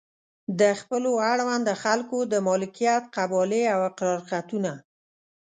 د خپلو اړونده خلکو د مالکیت قبالې او اقرار خطونه.